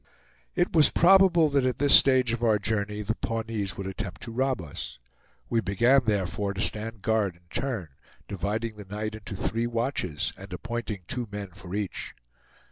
It was probable that at this stage of our journey the Pawnees would attempt to rob us. We began therefore to stand guard in turn, dividing the night into three watches, and appointing two men for each.